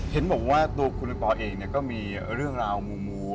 เห็นบอกว่าตัวคุณปอลเองก็มีเรื่องราวมู